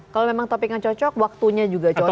kalau memang topiknya cocok waktunya juga cocok